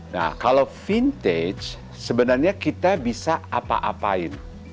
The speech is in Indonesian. nah kalau vintage sebenarnya kita bisa apa apain